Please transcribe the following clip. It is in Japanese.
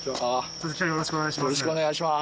よろしくお願いします。